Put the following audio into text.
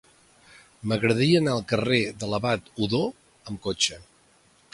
M'agradaria anar al carrer de l'Abat Odó amb cotxe.